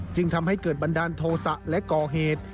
จึงทำให้เกิดบันดาลโทษะและก่อเหตุ